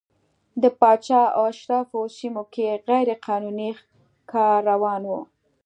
د پاچا او اشرافو سیمو کې غیر قانوني ښکار روان و.